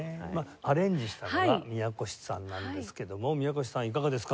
アレンジしたのが宮越さんなんですけども宮越さんいかがですか？